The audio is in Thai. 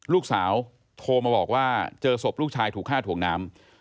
ลูกสาวโทรมาบอกว่าเจอศพลูกชายถูกฆ่าถ่วงน้ำ